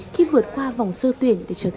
khi vượt qua vòng sơ tuyển để trở thành tu sinh